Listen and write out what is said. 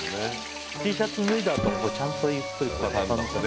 Ｔシャツ脱いだ後ちゃんとゆっくり畳む。